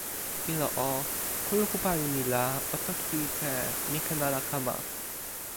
ilo o, kulupu pali mi la o toki te "mi ken ala kama".